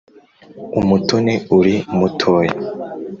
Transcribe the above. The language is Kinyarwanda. umutoni uri mutoya